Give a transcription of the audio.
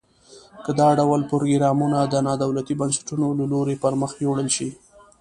که دا ډول پروګرامونه د نا دولتي بنسټونو له لوري پرمخ یوړل شي.